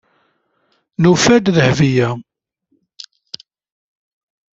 Nufa-d Mari.